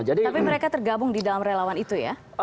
tapi mereka tergabung di dalam relawan itu ya